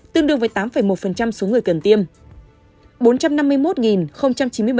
tương đương với tám một số người cần tiêm